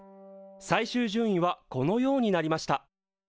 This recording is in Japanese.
最終順位はこのようになりました。